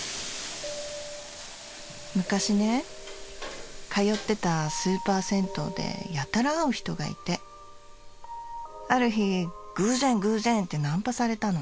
昔ね通ってたスーパー銭湯でやたらある日偶然偶然ってナンパされたの。